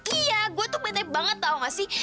iya gue tuh betek banget tau gak sih